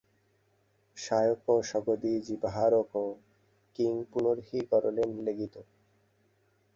সায়কঃ সপদি জীবহারকঃ king পুনর্হি গরলেন লেপিতঃ?